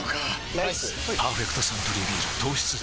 ライス「パーフェクトサントリービール糖質ゼロ」